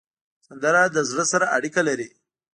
سندره له زړه سره اړیکه لري